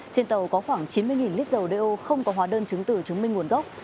trên tàu có khoảng chín mươi lít dầu đeo không có hóa đơn chứng tử chứng minh nguồn gốc